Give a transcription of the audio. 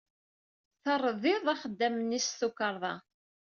Terdiḍ axeddam-nni s tukerḍa.